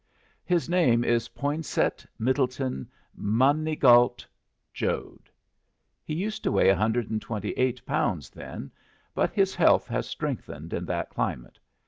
His name is Poinsett Middleton Manigault Jode. He used to weigh a hundred and twenty eight pounds then, but his health has strengthened in that climate.